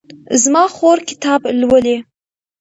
زما خور کتاب لولي